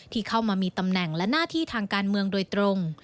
ที่เข้ามามีตำแหน่งและหน้าที่ทางการเมืองโดยตรง